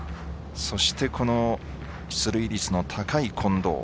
そしてこの出塁率の高い近藤。